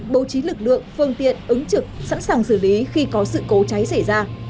bố trí lực lượng phương tiện ứng trực sẵn sàng xử lý khi có sự cố cháy xảy ra